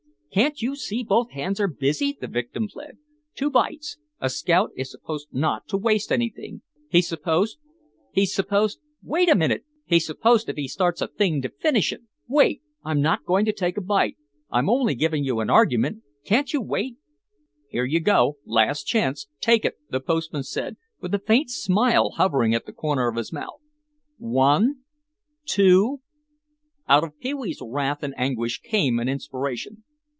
"Can't you see both hands are busy?" the victim pled. "Two bites—a scout is supposed not to waste anything—he's supposed—he's supposed—wait a minute—he's supposed if he starts a thing to finish it—wait! I'm not going to take a bite, I'm only giving you an argument—can't you wait—" "Here you go, last chance, take it," the postman said, a faint smile hovering at the corner of his mouth, "one, two, —" Out of Pee wee's wrath and anguish came an inspiration.